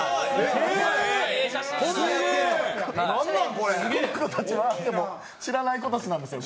この子たちはでも知らない子たちなんですよ